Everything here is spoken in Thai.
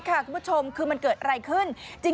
คุณผู้ชมคือมันเกิดอะไรขึ้น